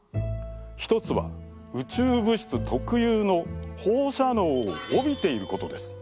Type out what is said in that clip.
一つは宇宙物質特有の放射能をおびていることです。